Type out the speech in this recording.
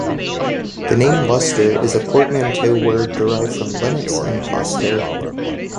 The name Lustre is a portmanteau word derived from Linux and cluster.